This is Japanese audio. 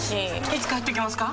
いつ帰ってきますか？